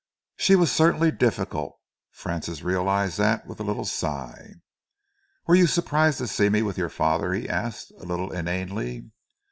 She was certainly difficult. Francis realised that with a little sigh. "Were you surprised to see me with your father?" he asked, a little inanely.